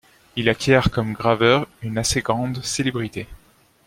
Il acquiert comme graveur une assez grande célébrité.